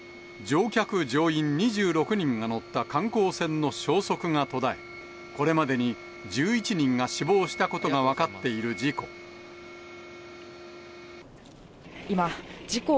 乗客・乗員２６人が乗った観光船の消息が途絶え、これまでに１１人が死亡したことが分かっている事故。